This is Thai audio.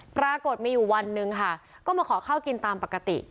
ปรากฏมีอยู่วันหนึ่งค่ะก็มาขอข้าวกินตามปกติ